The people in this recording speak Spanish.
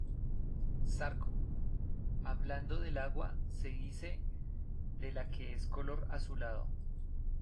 Zarco: hablando del agua, se dice de la que es color azulado.